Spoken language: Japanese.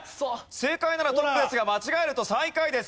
正解ならトップですが間違えると最下位です。